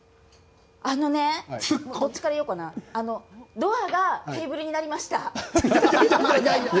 ドアがテーブルになりました。